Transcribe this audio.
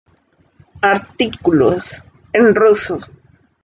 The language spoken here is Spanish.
Artículos" en ruso.